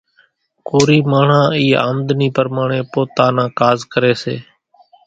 ڪورِي ماڻۿان اِي آمۮنِي پرماڻيَ پوتا نان ڪاز ڪريَ سي۔